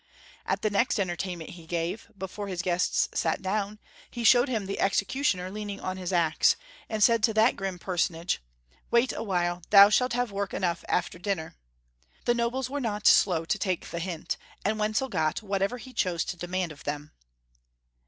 At the next entertainment he gave, before his guests sat down, he showed them the executioner leaning on his axe, and said to that grim personage, " "Wait awhile, thou shalt have work enough after dinner." The nobles were not slow to take the hint, and Wenzel got whatever he chose to demand of them.